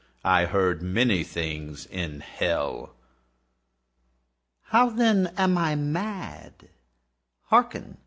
I heard many things in hell. How, then, am I mad? Hearken!